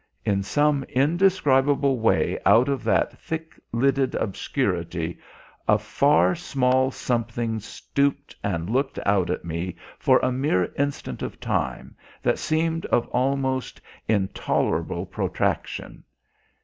In some indescribable way out of that thick lidded obscurity a far small something stooped and looked out at me for a mere instant of time that seemed of almost intolerable protraction.